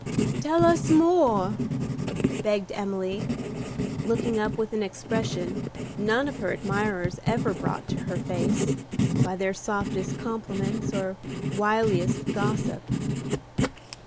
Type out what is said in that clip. "Tell us more;" begged Emily, looking up with an expression none of her admirers ever brought to her face by their softest compliments or wiliest gossip.